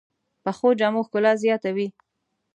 پخو جامو ښکلا زیاته وي